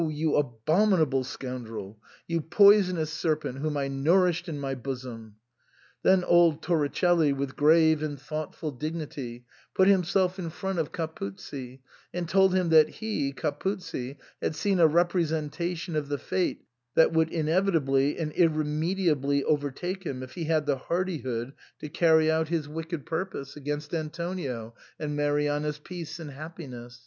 you abominable scoundrel ! You poisonous serpent whom I nourished in my bosom !" Then old Toricelli, with grave and thoughtful dignity, put himself in front of Capuzzi, and told him that he (Capuzzi) had seen a representation of the fate that would inevitably and irremediably overtake him if he had the hardihood to carry out his wicked pur^o^^e; i64 SIGNOR FORMICA. • against Antonio and Marianna's peace and happiness.